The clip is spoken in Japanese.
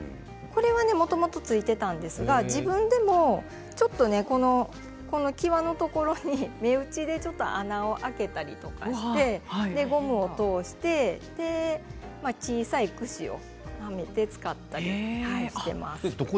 これはもともとついていたんですがご自身でも際のところに目打ちで穴を開けたりとかしてゴムを通して小さいクシをはめて使ったりしています。